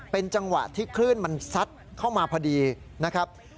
เป็นจังหวะที่คลื่นมันซัดเข้ามาพอดีนะครับ